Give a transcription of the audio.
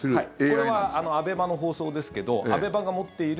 これはＡＢＥＭＡの放送ですけどＡＢＥＭＡが持っている。